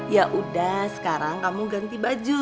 ya udah sekarang kamu ganti baju